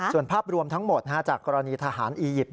ส่วนภาพรวมทั้งหมดจากกรณีทหารอียิปต์